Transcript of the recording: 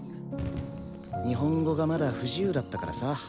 日本語がまだ不自由だったからさ。